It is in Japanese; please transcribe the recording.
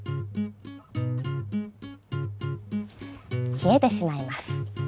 消えてしまいます。